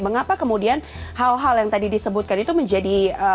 mengapa kemudian hal hal yang tadi disebutkan itu menjadi